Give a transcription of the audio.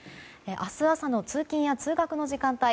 明日朝の通勤や通学の時間帯